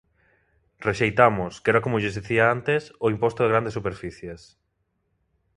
Rexeitamos, que era como lles dicía antes, o imposto de grandes superficies.